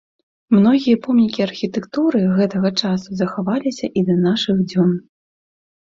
Многія помнікі архітэктуры гэтага часу захаваліся і да нашых дзён.